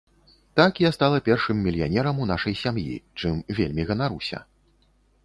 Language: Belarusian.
Так я стала першым мільянерам у нашай сям'і, чым вельмі ганаруся.